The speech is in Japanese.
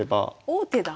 王手だ！